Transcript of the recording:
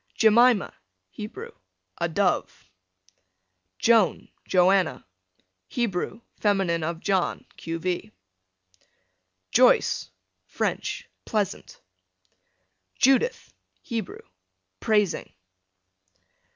Jemima, Hebrew, a dove. Joan, Joanna. Hebrew, fem. of John, q. v. Joyce, French, pleasant. Judith, Hebrew, praising.